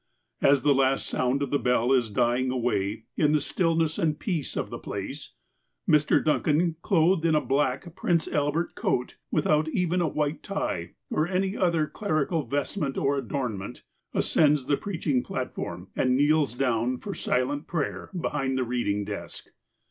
As the last sound of the bell is dying away in the stillness and peace of the i)lace, IMr. Duncan, clothed in a black Prince Albert coat, without even a white tie, or any other clerical vestment or adornment, ascends the preaching platform, and kneels down for silent prayer behind the reading desk.